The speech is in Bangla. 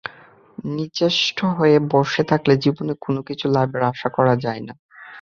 নিশ্চেষ্ট হয়ে বসে থাকলে জীবনে কোনো কিছু লাভের আশা করা যায় না।